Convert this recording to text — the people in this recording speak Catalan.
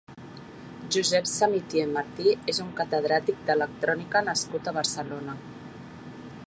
Josep Samitier Martí és un catedràtic d'electrònica nascut a Barcelona.